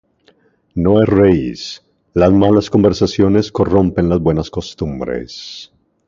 No erréis: las malas conversaciones corrompen las buenas costumbres.